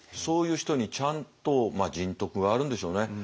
そういう人にちゃんとまあ人徳があるんでしょうね。